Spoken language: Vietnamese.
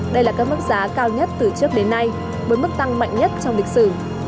đây là các mức giá cao nhất từ trước đến nay với mức tăng mạnh nhất trong lịch sử